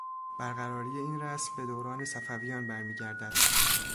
برقراری این رسم به دوران صفویان برمیگردد.